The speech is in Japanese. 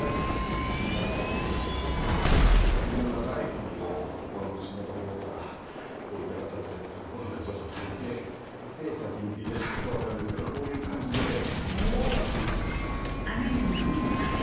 首の長いノミをここの口の所からこういった形で突っ込んだ状態で刃先見ていただくと分かるんですけどこういう感じで削っていきます。